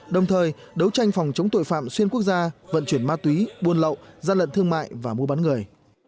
đồng thời đấu tranh phòng chống tội phạm xuyên quốc gia vận chuyển ma túy buôn lậu gian lận thương mại và mua bán người